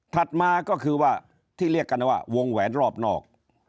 มาก็คือว่าที่เรียกกันว่าวงแหวนรอบนอก